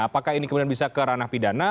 apakah ini kemudian bisa ke ranah pidana